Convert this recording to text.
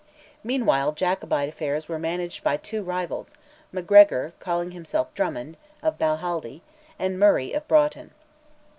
Meanwhile Jacobite affairs were managed by two rivals, Macgregor (calling himself Drummond) of Balhaldy and Murray of Broughton.